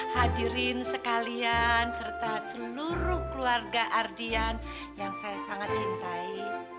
hadirin sekalian serta seluruh keluarga ardian yang saya sangat cintai